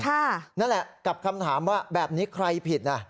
นั่นแหละกับคำถามว่าแบบนี้ใครผิดน่ะ